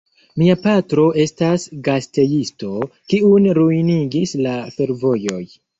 Mia patro estas gastejisto, kiun ruinigis la fervojoj.